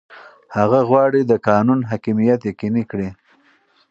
هغه غواړي د قانون حاکمیت یقیني کړي.